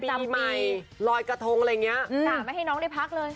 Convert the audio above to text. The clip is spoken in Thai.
ปีใหม่ลอยกระทงอะไรอย่างนี้กะไม่ให้น้องได้พักเลย